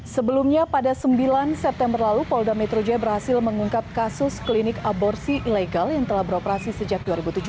sebelumnya pada sembilan september lalu polda metro jaya berhasil mengungkap kasus klinik aborsi ilegal yang telah beroperasi sejak dua ribu tujuh belas